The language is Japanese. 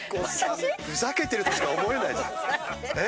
ふざけてるとしか思えない。